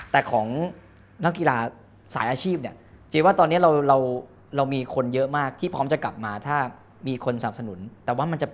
แต่ของนักกีฬาสายอาชีพ